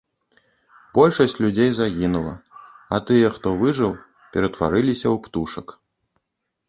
Большасць людзей загінула, а тыя, хто выжыў, ператварыліся ў птушак.